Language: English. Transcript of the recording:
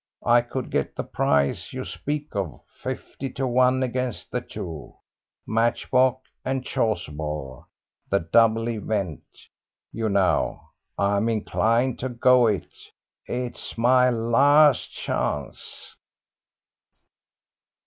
I could get the price you speak of fifty to one against the two, Matchbox and Chasuble the double event, you know. I'm inclined to go it. It's my last chance."